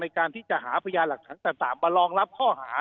ในการที่จะหาพยานหลักฐานต่างมารองรับข้อหา